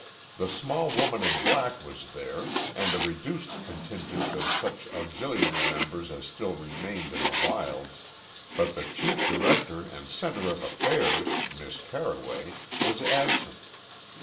The small woman in black was there, and a reduced contingent of such auxiliary members as still remained in the wilds, but the chief director and center of affairs, Miss Carroway, was absent.